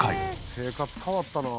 生活変わったな。